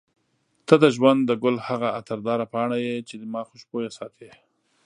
ته د ژوند د ګل هغه عطرداره پاڼه یې چې ما خوشبوینه ساتي.